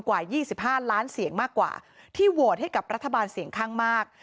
กว่า๒๕ล้านเสียงมากกว่าที่โหวตให้กับรัฐบาลเสียงข้างมาก